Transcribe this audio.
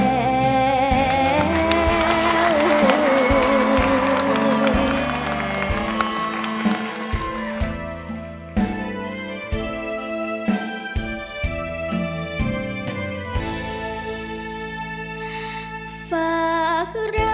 ฝากรักลงพามาหาพี่ข้า